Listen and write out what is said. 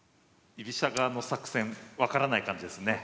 居飛車側の作戦分からない感じですね